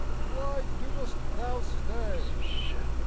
why doest thou stay